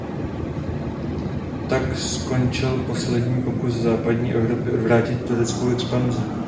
Tak skončil poslední pokus západní Evropy odvrátit tureckou expanzi.